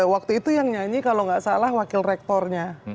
waktu itu yang nyanyi kalau nggak salah wakil rektornya